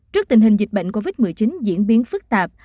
trước tình hình dịch bệnh covid một mươi chín diễn biến phức tạp